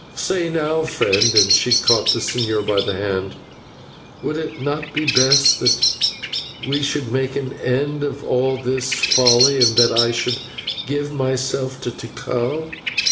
Say, now, friend" and she caught the señor by the arm "would it not be best that we should make an end of all this folly, and that I should give myself to Tikal?